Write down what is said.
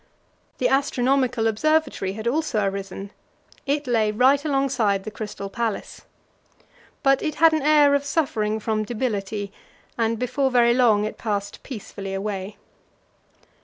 The astronomical observatory had also arisen; it lay right alongside the Crystal Palace. But it had an air of suffering from debility, and before very long it passed peacefully away.